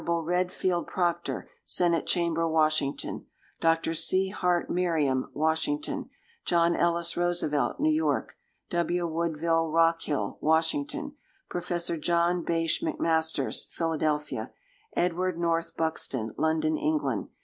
Redfield Proctor, Senate Chamber, Washington. Dr. C. Hart Merriam, Washington. John Ellis Roosevelt, New York. W. Woodville Rockhill, Washington. Prof. John Bache MacMasters, Philadelphia. Edward North Buxton, London, England.